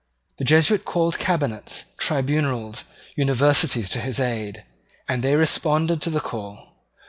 The Jesuit called cabinets, tribunals, universities to his aid; and they responded to the call.